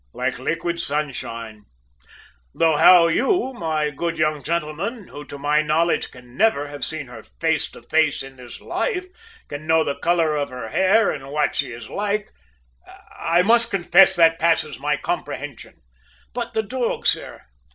like liquid sunshine; though, how you, my good young gentleman, who, to my knowledge, can never have seen her face to face in this life, can know the colour of her hair or what she is like, I must confess that passes my comprehension!" "But the dog, sir?"